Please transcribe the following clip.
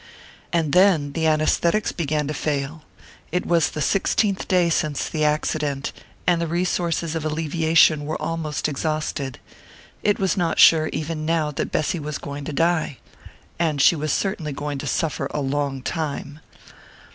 And then the anæsthetics began to fail. It was the sixteenth day since the accident, and the resources of alleviation were almost exhausted. It was not sure, even now, that Bessy was going to die and she was certainly going to suffer a long time.